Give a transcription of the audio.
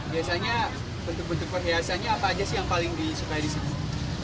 biasanya bentuk bentuk perhiasannya apa aja sih yang paling disukai di sini